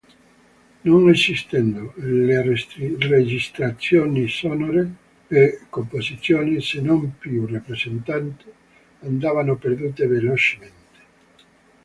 Non esistendo le registrazioni sonore, le composizioni, se non più rappresentate, andavano perdute velocemente.